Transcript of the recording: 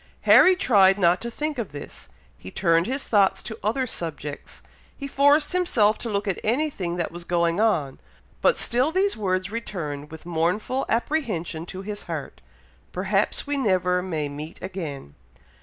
Harry tried not to think of this; he turned his thoughts to other subjects; he forced himself to look at anything that was going on, but still these words returned with mournful apprehension to his heart, "Perhaps we never may meet again!"